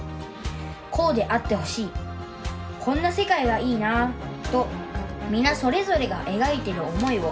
「こうであってほしいこんな世界がいいなあとみなそれぞれがえがいてる想いを」。